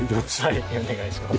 はいお願いします。